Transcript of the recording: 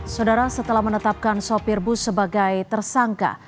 saudara setelah menetapkan sopir bus sebagai tersangka